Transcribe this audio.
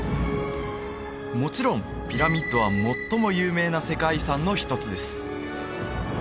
もちろんピラミッドは最も有名な世界遺産の一つです